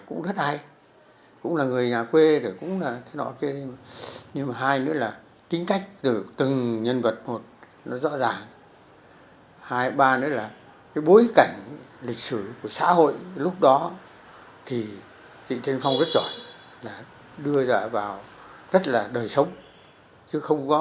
coi nó giống ai trong làng